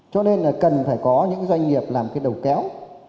cho nên là cần phải có những doanh nghiệp làm cái đầu kéo